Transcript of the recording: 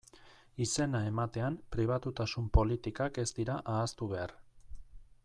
Izena ematean, pribatutasun politikak ez dira ahaztu behar.